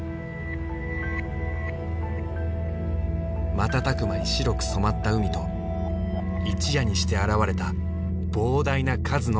瞬く間に白く染まった海と一夜にして現れた膨大な数の卵。